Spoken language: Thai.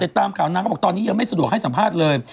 ตามข่าวนางก็บอกตอนนี้ยังไม่สะดวกให้สัมภาษณ์เลย